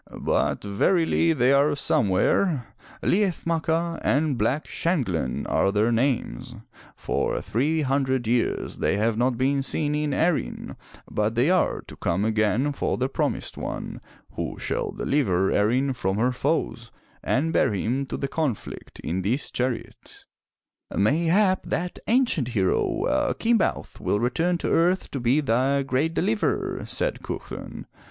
"But, verily, they are some where. Li'ath Ma'cha and Black Shangh'lan are their names, —^ An ancient Irish goddess. 409 MY BOOK HOUSE for three hundred years they have not been seen in Erin, but they are to come again for the promised one who shall deliver Erin from her foes, and bear him to the conflict in this chariot/' "Mayhap that ancient hero, Kimbaoth, will return to earth to be the great deliverer,'' said Cuchulain.